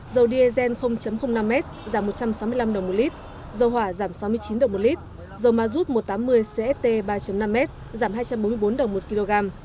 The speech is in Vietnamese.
dầu diesel năm s giảm một trăm sáu mươi năm đồng một lít dầu hỏa giảm sáu mươi chín đồng một lít dầu ma rút một trăm tám mươi cst ba năm m giảm hai trăm bốn mươi bốn đồng một kg